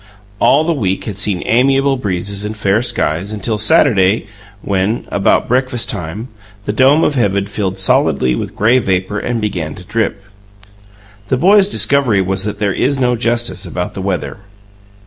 All the week had seen amiable breezes and fair skies until Saturday, when, about breakfast time, the dome of heaven filled solidly with gray vapour and began to drip. The boys' discovery was that there is no justice about the weather.